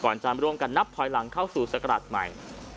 ก่อนจะร่วมกันนับถอยหลังเข้าสู่สกรรดใหม่